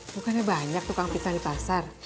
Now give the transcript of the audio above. bukannya banyak tukang pisang di pasar